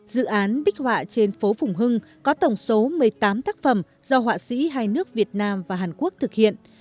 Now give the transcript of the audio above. dự án bích họa trên phố phùng hưng có tổng số một mươi tám tác phẩm do họa sĩ hai nước việt nam và hàn quốc thực hiện